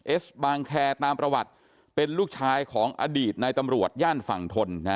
เอสบางแคร์ตามประวัติเป็นลูกชายของอดีตนายตำรวจย่านฝั่งทน